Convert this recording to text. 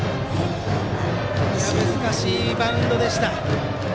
難しいバウンドでした。